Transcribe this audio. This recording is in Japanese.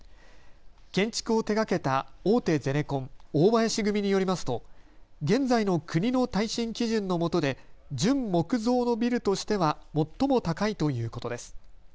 建築を手がけた大手ゼネコン大林組によりますと現在の国の耐震基準のもとで純木造のビルとしては最も高いということです。